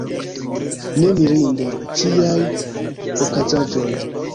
Ne mirinde, tiaj okazaĵoj!